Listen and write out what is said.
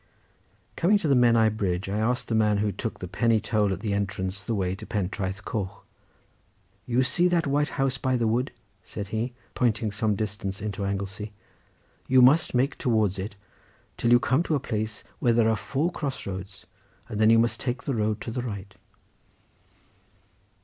Coming to the Menai Bridge I asked the man who took the penny toll at the entrance, the way to Pentraeth Coch. "You see that white house by the wood," said he, pointing some distance into Anglesey; "you must make towards it till you come to a place where there are four cross roads and then you must take the road to the right."